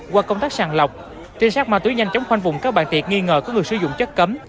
qua công tác sàng lọc trinh sát ma túy nhanh chóng khoanh vùng các bạn tiệc nghi ngờ có người sử dụng chất cấm